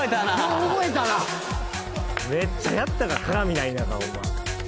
う覚えたなめっちゃやったから鏡ない中ホンマ